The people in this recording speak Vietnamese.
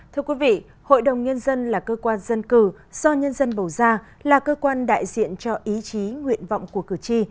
thưa quý vị hội đồng nhân dân là cơ quan dân cử do nhân dân bầu ra là cơ quan đại diện cho ý chí nguyện vọng của cử tri